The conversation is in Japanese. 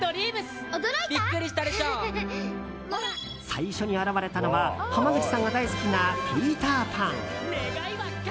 最初に現れたのは濱口優さんが大好きなピーター・パン。